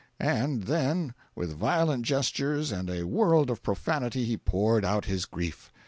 And then, with violent gestures and a world of profanity, he poured out his grief.